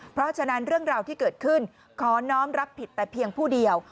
เพราะฉะนั้นเรื่องราวที่เกิดขึ้นขอน้องรับผิดแต่เพียงผู้เดียว